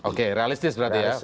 oke realistis berarti ya